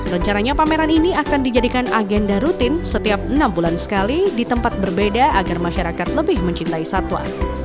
rencananya pameran ini akan dijadikan agenda rutin setiap enam bulan sekali di tempat berbeda agar masyarakat lebih mencintai satwa